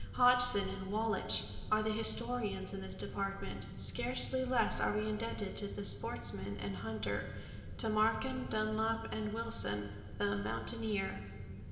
Hodgson and Wallich are the historians in this department. Scarcely less are we indebted to the sportsman and hunter to Markham, Dunlop, and Wilson the "mountaineer."